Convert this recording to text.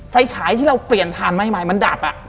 ไฟฉายที่เราเปลี่ยนทานใหม่มันดับ